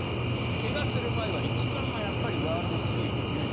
怪我する前は、一番はやっぱりワールドシリーズ優勝